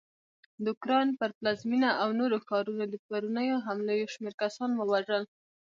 د اوکراین پر پلازمېنه او نورو ښارونو د پرونیو حملو یوشمېر کسان ووژل